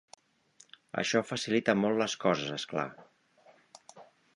Això facilita molt les coses, és clar.